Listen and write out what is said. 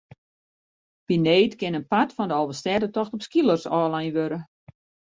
By need kin in part fan de Alvestêdetocht op skeelers ôflein wurde.